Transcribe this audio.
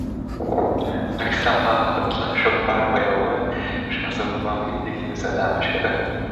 Megszámlálhatatlan sok párbaja volt s azokban mindig győzedelmeskedett.